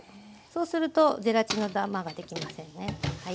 そうするとゼラチンのダマができませんね。